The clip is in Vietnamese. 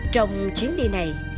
trong chuyến đi này